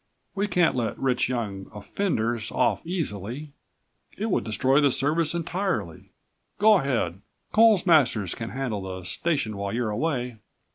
We can't let rich young offenders off easily. It would destroy the service entirely. Go ahead. Coles Masters can handle the station while you are away."